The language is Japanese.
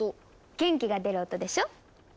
元気が出る音でしょ？